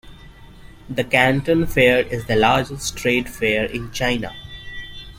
The Canton Fair is the largest trade fair in China.